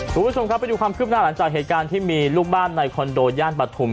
คุณผู้ชมครับไปดูความคืบหน้าหลังจากเหตุการณ์ที่มีลูกบ้านในคอนโดย่านปฐุม